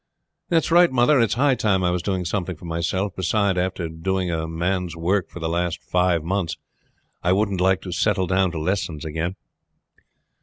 "That's right, mother. It's high time I was doing something for myself. Beside, after doing a man's work for the last five months I shouldn't like to settle down to lessons again."